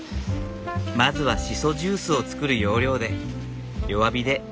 まずはシソジュースを作る要領で弱火で１０分ほど煮る。